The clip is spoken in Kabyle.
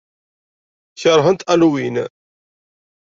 Keṛhent Halloween.